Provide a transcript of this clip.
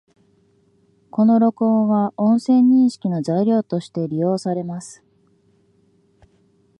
この録音は、音声認識の材料として利用されます